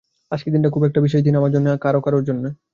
আজকের দিনটা খুবই একটা বিশেষ দিন আমার জন্য, আমাদের কারও কারও জন্য।